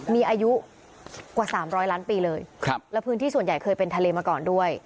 มีอายุกว่า๓๐๐ล้านปีเลยครับแล้วพื้นที่ส่วนใหญ่เคยเป็นทะเลมาก่อนด้วย